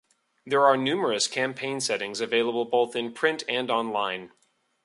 There are numerous campaign settings available both in print and online.